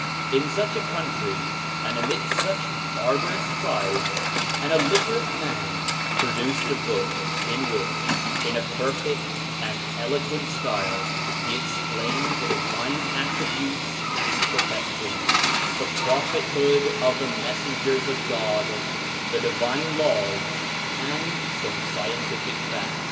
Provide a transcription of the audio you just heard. In such a country, and amidst such barbarous tribes, an illiterate man produced a book in which, in a perfect and eloquent style, he explained the divine attributes and perfections, the prophethood of the Messengers of God, the divine laws, and some scientific facts.